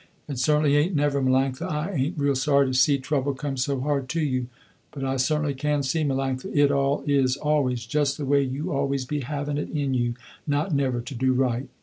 It certainly ain't never Melanctha I ain't real sorry to see trouble come so hard to you, but I certainly can see Melanctha it all is always just the way you always be having it in you not never to do right.